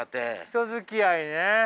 人づきあいね！